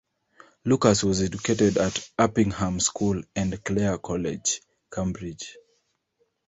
Lucas was educated at Uppingham School and Clare College, Cambridge.